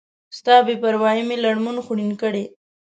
ستا بی پروایي می لړمون خوړین کړی